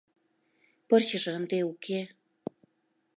Пырчыже ынде уке.